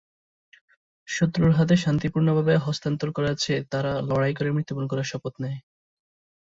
শত্রুর হাতে শান্তিপূর্ণভাবে হস্তান্তর করার চেয়ে তারা লড়াই করে মৃত্যুবরণ করার শপথ নেয়।